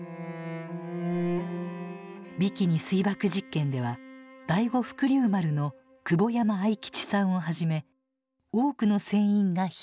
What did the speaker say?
ビキニ水爆実験では第五福竜丸の久保山愛吉さんをはじめ多くの船員が被ばく。